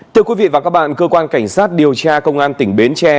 thưa quý vị và các bạn cơ quan cảnh sát điều tra công an tỉnh bến tre